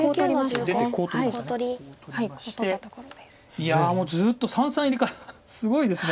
いやもうずっと三々入りからすごいですね。